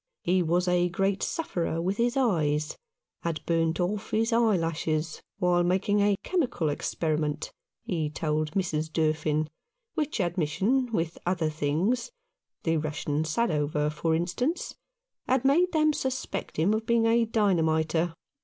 He was a great sufferer with his eyes — had burnt off his eye lashes while making a chemical experi ment, he told Mrs. Durfin, which admission, with other things — the Russian Sadover, for instance — had made them suspect him of being a dynamiter.